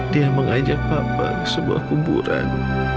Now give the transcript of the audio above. dia mengajak papa ke sebuah kuburan